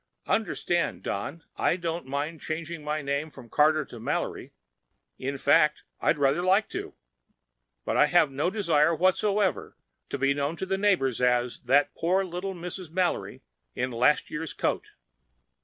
Understand, Don, I don't mind changing my name from Carter to Mallory. In fact, I'd rather like to. But I have no desire whatever to be known to the neighbors as 'that poor little Mrs. Mallory in last year's coat.'